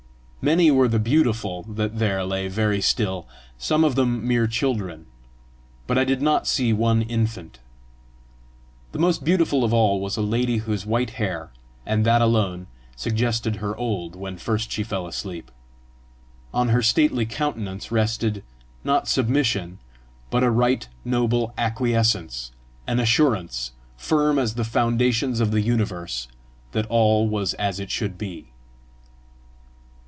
Many were the beautiful that there lay very still some of them mere children; but I did not see one infant. The most beautiful of all was a lady whose white hair, and that alone, suggested her old when first she fell asleep. On her stately countenance rested not submission, but a right noble acquiescence, an assurance, firm as the foundations of the universe, that all was as it should be.